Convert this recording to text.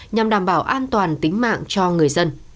nhằm đảm bảo an toàn tính mạng cho người dân